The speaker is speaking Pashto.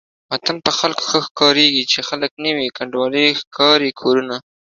وطن په خلکو ښه ښکاريږي چې خلک نه وي کنډوالې ښکاري کورونه